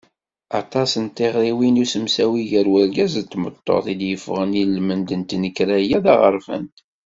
Aṭas n tiɣriwin i usemsawi gar urgaz d tmeṭṭut i d-yeffɣen i lmend n tnekkra-a taɣerfant.